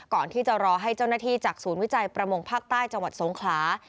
ก่อนที่จะรอให้เจ้าหน้าที่จากศูนย์วิจัยประมงภาคใต้จังหวัดสงขลา